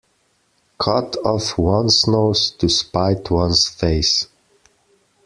Cut off one's nose to spite one's face.